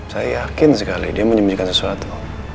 saya yakin sekali dia menyembunyikan sesuatu